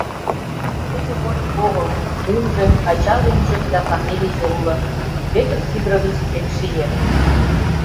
— Тудо вольык огыл, лӱмжӧ, ача лӱмжӧ да фамилийже уло: Петр Сидорович Пекшиев!